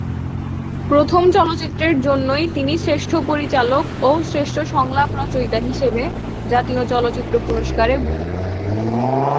প্রথম চলচ্চিত্রের জন্যই তিনি শ্রেষ্ঠ পরিচালক ও শ্রেষ্ঠ সংলাপ রচয়িতা হিসেবে জাতীয় চলচ্চিত্র পুরস্কারে ভূষিত হন।